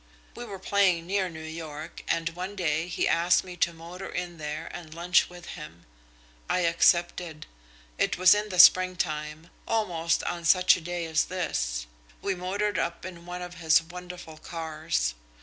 We were playing near New York and one day he asked me to motor in there and lunch with him. I accepted. It was in the springtime, almost on such a day as this. We motored up in one of his wonderful cars.